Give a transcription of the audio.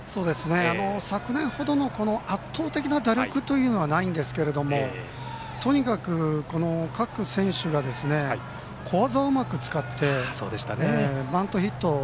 昨年ほどの圧倒的な打力というのはないんですけれどもとにかく、この各選手が小技をうまく使ってバントヒットを。